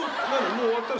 もう終わったの？